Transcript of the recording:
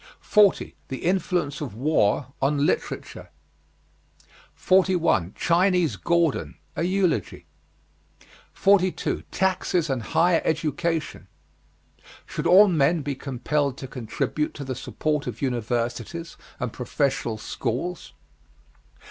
40. THE INFLUENCE OF WAR ON LITERATURE. 41. CHINESE GORDON. A eulogy. 42. TAXES AND HIGHER EDUCATION. Should all men be compelled to contribute to the support of universities and professional schools?